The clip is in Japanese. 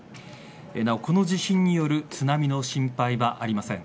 なお、この地震による津波の心配はありません。